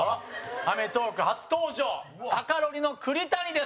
『アメトーーク』初登場カカロニの栗谷です。